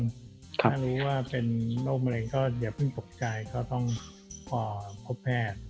ถ้ารู้ว่าเป็นโรคมะเร็งก็อย่าเพิ่งตกใจก็ต้องพบแพทย์